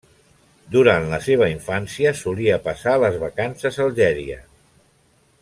Durant la seva infància, solia passar les vacances a Algèria.